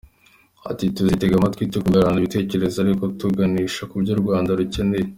Ati “ Tuzitega amatwi tukungurana ibitekerezo, ariko tuganisha kubyo u Rwanda rukeneye”.